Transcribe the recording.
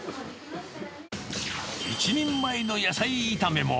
１人前の野菜炒めも。